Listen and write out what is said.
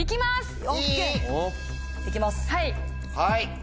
はい。